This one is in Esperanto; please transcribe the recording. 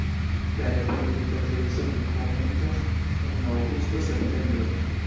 La reprodukta sezono komencas en aŭgusto-septembro.